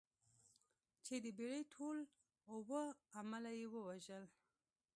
چې د بېړۍ ټول اووه عمله یې ووژل.